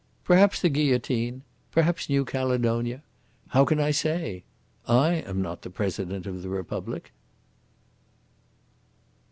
"Perhaps the guillotine. Perhaps New Caledonia. How can I say? I am not the President of the Republic."